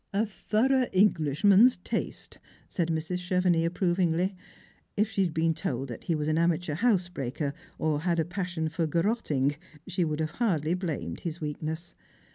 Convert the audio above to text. " A thorough Englishman's taste," said Mrs. Chevenix approv ingly. If she had been told that he was an amateur house breaker, or had a passion for garrotting, she would have hardly blamed his weakness.